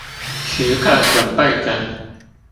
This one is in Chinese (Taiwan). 時刻準備著